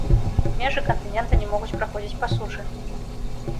Межы кантынента не могуць праходзіць па сушы.